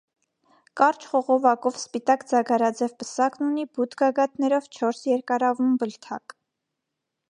Կարճ խողովակով սպիտակ ձագարաձև պսակն ունի բութ գագաթներով չորս երկարավուն բլթակ։